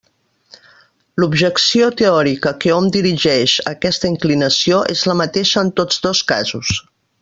L'objecció teòrica que hom dirigeix a aquesta inclinació és la mateixa en tots dos casos.